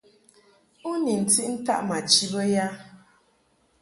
U ni ntiʼ ntaʼ ma chi bə ya ?